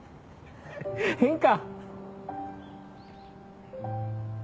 変か。